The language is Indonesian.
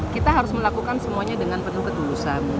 kita harus melakukan semuanya dengan penuh ketulusan